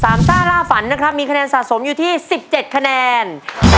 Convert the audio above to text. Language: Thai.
สามซ่าร่าฝันนะครับมีคะแนนสะสมอยู่ที่๑๗คะแนน